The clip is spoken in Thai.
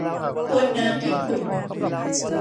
กวนน้ำให้ขุ่น